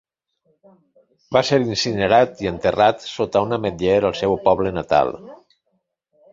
Va ser incinerat i enterrat sota un ametller al seu poble natal.